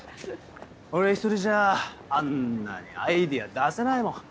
俺一人じゃあんなにアイデア出せないもん。